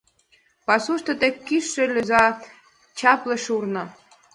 Пасушто тек кушшо лӧза чапле шурно!